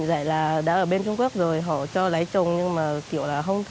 rồi họ đánh đập